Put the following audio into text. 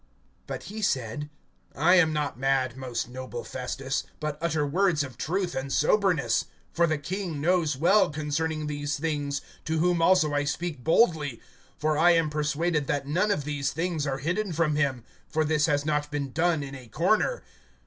(25)But he said: I am not mad, most noble Festus; but utter words of truth and soberness. (26)For the king knows well concerning these things, to whom also I speak boldly; for I am persuaded that none of these things are hidden from him; for this has not been done in a corner.